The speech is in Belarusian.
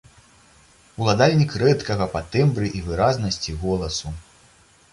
Уладальнік рэдкага па тэмбры і выразнасці голасу.